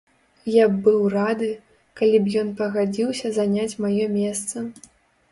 Я б быў рады, калі б ён пагадзіўся заняць маё месца.